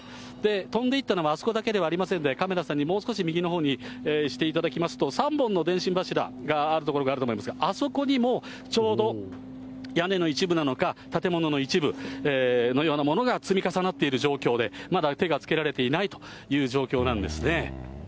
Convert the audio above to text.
飛んでいったのはあそこだけではありませんで、カメラさんにもう少し右のほうにしていただきますと、３本の電信柱がある所があると思いますが、あそこにもちょうど屋根の一部なのか、建物の一部のようなものが積み重なっている状況で、まだ手が付けられていないという状況なんですね。